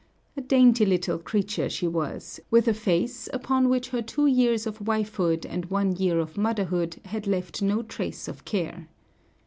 A dainty little creature she was, with a face upon which her two years of wifehood and one year of motherhood had left no trace of care.